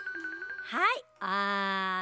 はいあん。